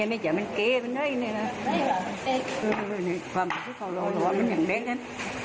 ความรู้สึกขอร้องร้อนมันอย่างเด็กนั้น